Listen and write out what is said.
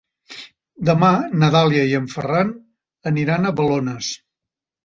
Demà na Dàlia i en Ferran aniran a Balones.